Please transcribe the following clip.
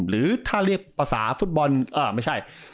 หรือถ้าเรียกภาษาฟุตบอลไม่ใช่